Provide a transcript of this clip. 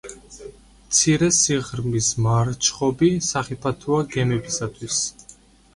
მცირე სიღრმის მარჩხობი სახიფათოა გემებისათვის.